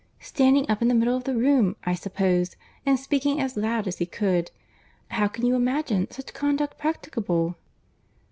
—Standing up in the middle of the room, I suppose, and speaking as loud as he could!—How can you imagine such conduct practicable?"